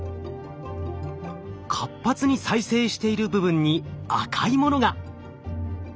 活発に再生している部分に赤いものが。